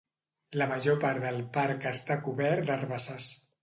La major part del parc està cobert d'herbassars.